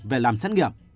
về làm xét nghiệm